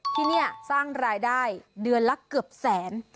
ที่นี่สร้างรายได้เดือนละเกือบแสน